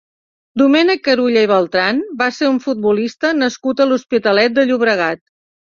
Domènec Carulla i Bertran va ser un futbolista nascut a l'Hospitalet de Llobregat.